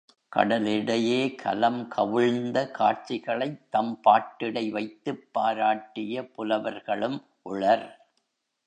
கடலிடையே கலம் கவிழ்ந்த காட்சிகளைத் தம் பாட்டிடை வைத்துப் பாராட்டிய புலவர்களும் உளர்.